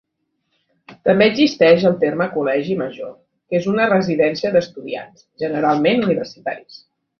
També existeix el terme col·legi major, que és una residència d'estudiants, generalment universitaris.